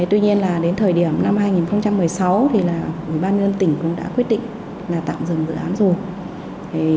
tuy nhiên là đến thời điểm năm hai nghìn một mươi sáu thì là ủy ban nhân tỉnh cũng đã quyết định là tạm dừng dự án rồi